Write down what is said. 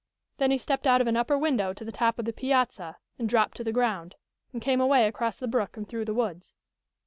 Then he stepped out of an upper window to the top of the piazza and dropped to the ground, and came away across the brook and through the woods."